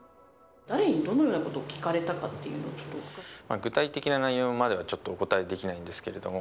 誰にどのようなことを聞かれ具体的な内容までは、ちょっとお答えできないんですけれども。